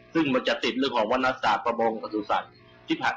ซึ่งจะติดเรื่องของวรณศาสตร์ประมงอ่าสุสัตรย์